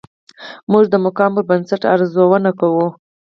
موږ د مقام پر بنسټ ارزونه کوو.